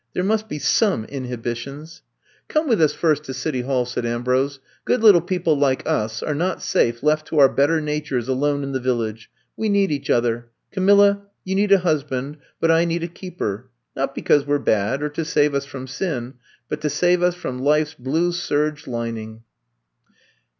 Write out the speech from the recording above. There must be some inhibitions 1 '' Come with us first to City Hall,'^ said Ambrose. Good little people like us are not safe left to our better natures alone in the Village. We need each other. Ca milla — you need a husband, but I need a keeper. Not because we 're bad, or to save us from sin, but to save us from life 's blue serge lining.